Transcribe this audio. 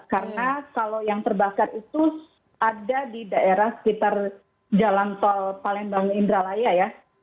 karena kalau yang terbakar itu ada di daerah sekitar jalan tol palembang indralaya ya